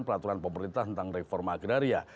peraturan pemerintah tentang reforma agraria